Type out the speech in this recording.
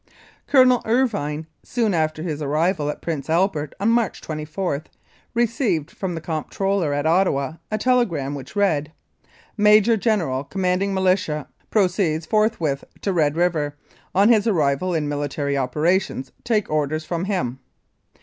Colonel Irvine, soon after his arrival at Prince Albert on March 24, received from the Comptroller at Ottawa a telegram which read :" Major General Commanding Militia proceeds forthwith to Red River. On his arrival, in military operations, take orders from him."